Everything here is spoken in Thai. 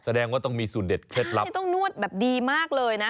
แสดงว่าต้องมีสูตรเด็ดเคล็ดลับนี่ต้องนวดแบบดีมากเลยนะ